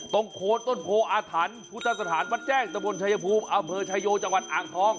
โคนต้นโพออาถรรพ์พุทธสถานวัดแจ้งตะบนชายภูมิอำเภอชายโยจังหวัดอ่างทอง